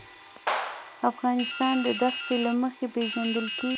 افغانستان د دښتې له مخې پېژندل کېږي.